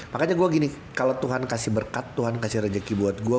makanya gue gini kalau tuhan kasih berkat tuhan kasih rezeki buat gue